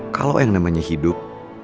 kalau yang namanya hidup